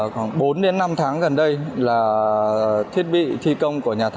khoảng bốn năm tháng gần đây là thiết bị thi công của nhà thị